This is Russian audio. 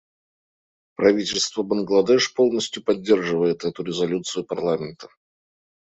Правительство Бангладеш полностью поддерживает эту резолюцию парламента.